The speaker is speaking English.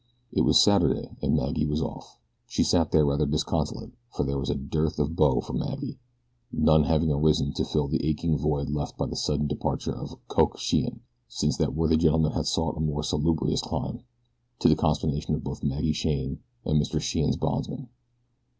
It was Saturday and Maggie was off. She sat there rather disconsolate for there was a dearth of beaux for Maggie, none having arisen to fill the aching void left by the sudden departure of "Coke" Sheehan since that worthy gentleman had sought a more salubrious clime to the consternation of both Maggie Shane and Mr. Sheehan's bondsmen.